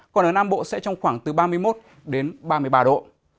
còn ở nam bộ sẽ trong khoảng từ ba mươi một đến ba mươi ba độ